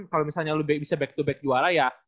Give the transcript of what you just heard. kalo misalnya lu bisa back to back juara ya